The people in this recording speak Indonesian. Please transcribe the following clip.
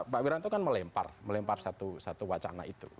pak wiranto kan melempar satu wacana itu